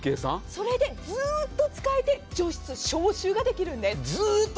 それでずーっと使えて除湿、消臭ができるんです。